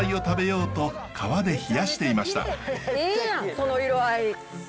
その色合い。